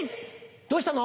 どうしたの？